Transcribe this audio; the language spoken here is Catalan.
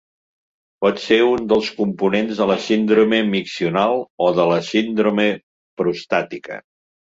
Pot ser un dels components de la síndrome miccional o de la síndrome prostàtica.